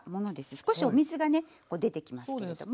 少しお水がね出てきますけれども。